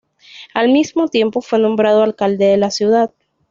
Al mismo tiempo fue nombrado alcalde de la ciudad.